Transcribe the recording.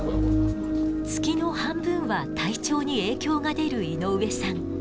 月の半分は体調に影響が出る井上さん。